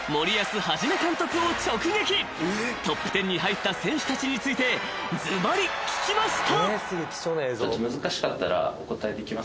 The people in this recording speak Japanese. ［トップテンに入った選手たちについてずばり聞きました］